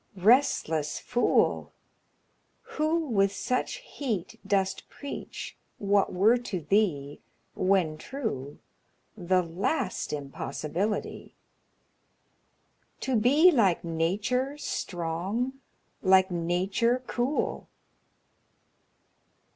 Restless fool, Who with such heat dost preach what were to thee, When true, the last impossibility To be like Nature strong, like Nature cool!